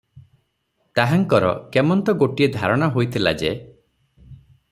ତାହାଙ୍କର କେମନ୍ତ ଗୋଟିଏ ଧାରଣା ହୋଇଥିଲା ଯେ